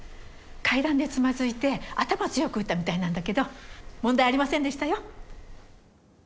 階段でつまずいて頭を強く打ったみたいなんだけど問題ありませんでしたよ。